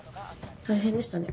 大変でしたね。